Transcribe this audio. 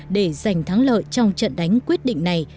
để giành thắng lợi trong trận đánh quyết định này